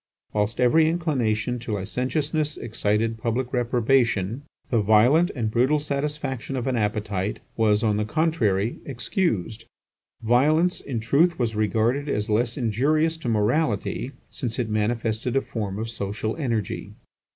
Whilst every inclination to licentiousness excited public reprobation, the violent and brutal satisfaction of an appetite was, on the contrary, excused; violence, in truth, was regarded as less injurious to morality, since it manifested a form of social energy.